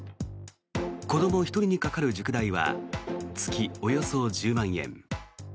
子ども１人にかかる塾代は月およそ１０万円。